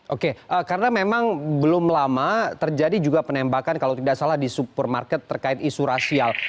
oke karena memang belum lama terjadi juga penembakan kalau tidak salah di supermarket terkait isu rasial